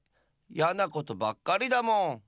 やなことばっかりだもん。